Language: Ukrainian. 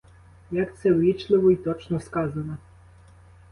Як це ввічливо й точно сказано!